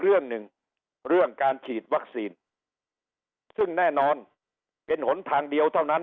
เรื่องหนึ่งเรื่องการฉีดวัคซีนซึ่งแน่นอนเป็นหนทางเดียวเท่านั้น